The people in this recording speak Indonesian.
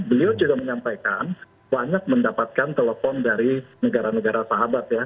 beliau juga menyampaikan banyak mendapatkan telepon dari negara negara sahabat ya